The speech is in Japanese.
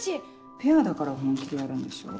ペアだから本気でやるんでしょ